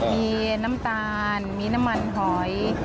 มีน้ำตาลมีน้ำมันหอย